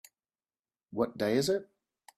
What day is it?